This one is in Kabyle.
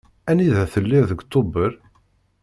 Anida telliḍ deg Tubeṛ?